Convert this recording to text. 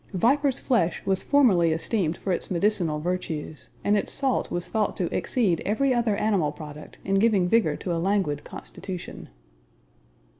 Vipers' flesh was formerly esteemed for its medicinal virtues, and its salt was thought to exceed every other animal product in giving vigor to a languid constitution.